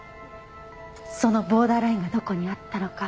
そのボーダーラインがどこにあったのか。